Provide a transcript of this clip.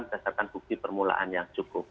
berdasarkan bukti permulaan yang cukup